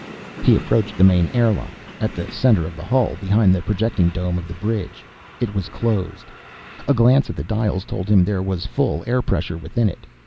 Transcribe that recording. He approached the main air lock, at the center of the hull, behind the projecting dome of the bridge. It was closed. A glance at the dials told him there was full air pressure within it.